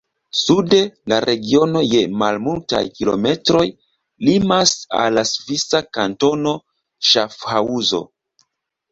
Sude la regiono je malmultaj kilometroj limas al la svisa kantono Ŝafhaŭzo.